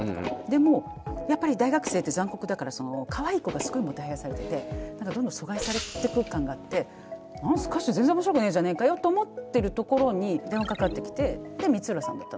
でもやっぱり大学生って残酷だからかわいい子がすごいもてはやされててどんどん疎外されてく感があってスカッシュ全然面白くねえじゃねえかよと思ってるところに電話かかってきてで光浦さんだったの。